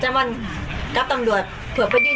อ๋อเจ้าสีสุข่าวของสิ้นพอได้ด้วย